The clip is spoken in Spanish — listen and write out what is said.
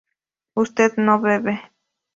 usted no bebe